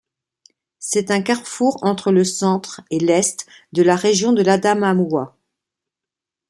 C'est un carrefour entre le centre et l'est de la région de l'Adamaoua.